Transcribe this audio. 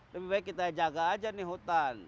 lebih baik kita jaga aja nih hutan